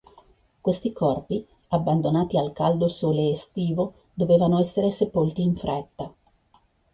Questi corpi, abbandonati al caldo sole estivo, dovevano essere sepolti in fretta.